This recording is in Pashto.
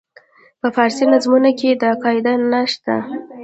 په فارسي نظمونو کې دا قاعده نه شته.